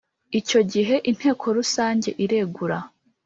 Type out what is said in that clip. Icyo gihe Inteko Rusange iregura